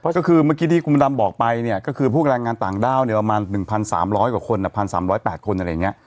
ก็คือเมื่อกี้ที่คุณดำบอกไปเนี่ยก็คือพวกแรงงานต่างด้าวเนี่ยประมาณ๑๓๐๐กว่าคน๑๓๐๘คนอะไรอย่างนี้